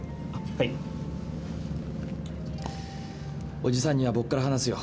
叔父さんには僕から話すよ。